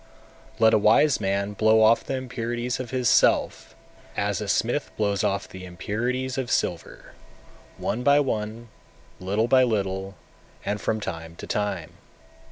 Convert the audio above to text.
239. Let a wise man blow off the impurities of his self, as a smith blows off the impurities of silver one by one, little by little, and from time to time.